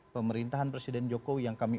pemerintahan presiden jokowi yang kami